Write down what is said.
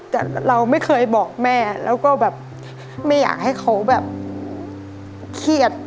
แต่เราไม่เคยบอกแม่แล้วก็แบบไม่อยากให้เขาแบบเครียด